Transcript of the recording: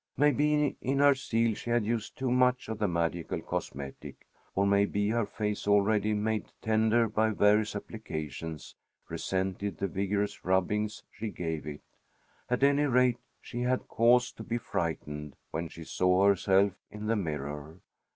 Maybe in her zeal she had used too much of the magical cosmetic, or maybe her face, already made tender by various applications, resented the vigorous rubbings she gave it. At any rate she had cause to be frightened when she saw herself in the mirror.